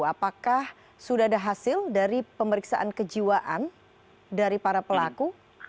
apakah sudah ada hasil dari pemeriksaan kejiwaan dari para pelaku